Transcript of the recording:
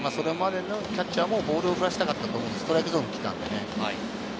キャッチャーもボールを振らせたかったと思うんです、ストライクゾーンを使って。